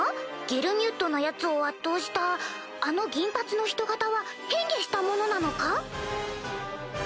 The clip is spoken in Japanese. ゲルミュッドのヤツを圧倒したあの銀髪の人型は変化したものなのか？